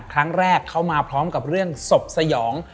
ครั้งแรกเขามาพร้อมกับเรื่องศพสยอง